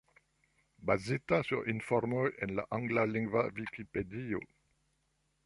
Bazita sur informoj en la anglalingva Vikipedio.